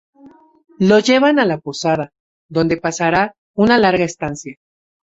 Lo llevan a la posada, donde pasará una larga estancia.